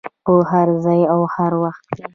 په هر ځای او هر وخت کې.